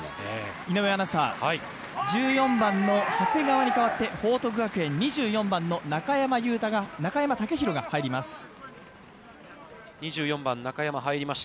◆井上アナウンサー、１４番の長谷川に代わって報徳学園、２４番の中山雄太が入ります。